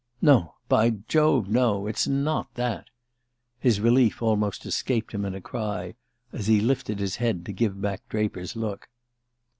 "No by Jove, no! It's not that." His relief almost escaped him in a cry, as he lifted his head to give back Draper's look.